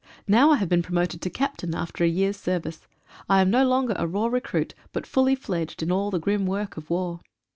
Now I have been promoted to captain, after a year's service. I am no longer a raw recruit, but fully fledged in all the grim work of war.